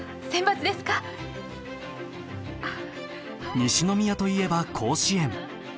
西宮といえば甲子園。